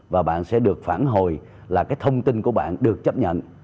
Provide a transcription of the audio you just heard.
và bạn sẽ được phản hồi là cái thông tin của bạn được chấp nhận